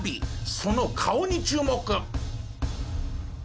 その顔に注目！